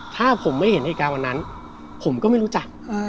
ถ้าผมไม่เห็นเหตุการณ์วันนั้นผมก็ไม่รู้จัก